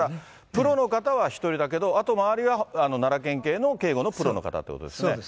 プロの方は１人だけど、あと、周りは奈良県警の警護のプロの方ということですよね。